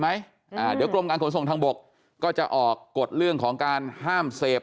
อ่าเดี๋ยวกรมการขนส่งทางบกก็จะออกกฎเรื่องของการห้ามเสพ